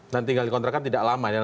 dan tinggal di kontrakan tidak lama ya